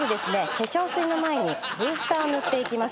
化粧水の前にブースターを塗っていきます。